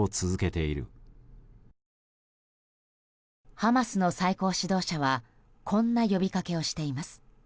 ハマスの最高指導者はこんな呼びかけをしています。